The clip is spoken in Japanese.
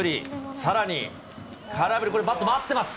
さらに、空振り、これ、バット回ってます。